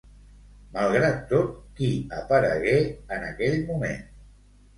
Malgrat tot, qui aparegué en aquell moment?